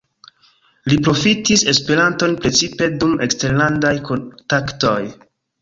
Li profitis Esperanton precipe dum eksterlandaj kontaktoj.